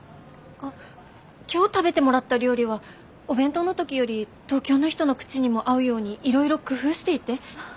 あっ今日食べてもらった料理はお弁当の時より東京の人の口にも合うようにいろいろ工夫していて。